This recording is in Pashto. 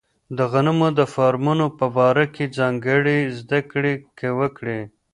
د غنمو د فارمونو په باره کې ځانګړې زده کړې وکړي.